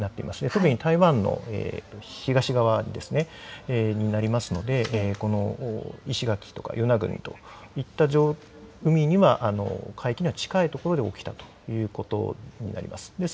特に台湾の東側になるので石垣とか与那国といった海域に近い所で起きたということになります。